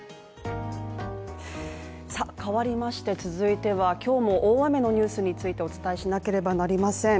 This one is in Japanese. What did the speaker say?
変わりまして、続いては今日も大雨のニュースについてお伝えしなくてはなりません。